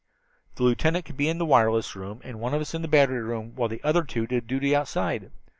"The lieutenant could be in the wireless room, and one of us in the battery room, while the other two did duty outside.